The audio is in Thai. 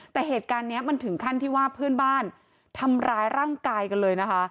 แต่เหตุการณ์นี้มันถึงขั้นที่ว่าเพื่อนบ้านทำร้ายร่างกายกันเลยนะคะ